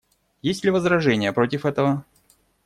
Есть ли возражения против этого?